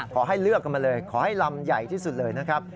ขอให้เลือกกันมาเลยขอให้ลำใหญ่ที่สุดเลยนะครับ